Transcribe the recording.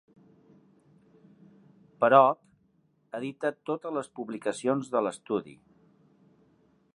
Perov edita totes les publicacions de l'estudi.